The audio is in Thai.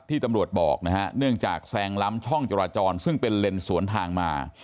ตำรวจบอกนะฮะเนื่องจากแซงล้ำช่องจราจรซึ่งเป็นเลนสวนทางมา